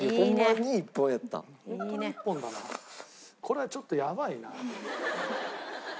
これはちょっとやばいな。